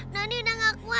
noni udah gak kuat ma